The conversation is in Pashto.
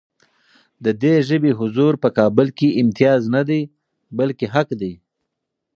د دې ژبې حضور په کابل کې امتیاز نه دی، بلکې حق دی.